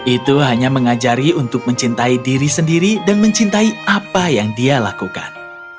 itu hanya mengajari untuk mencintai diri sendiri dan mencintai apa yang dia lakukan